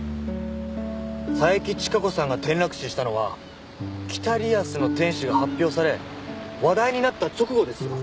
佐伯千加子さんが転落死したのは『北リアスの天使』が発表され話題になった直後ですよ。